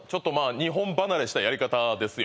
日本離れしたやり方ですよ